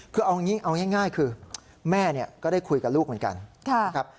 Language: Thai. คือเอางี้เอาง่ายคือแม่ก็ได้คุยกับลูกเหมือนกันนะครับ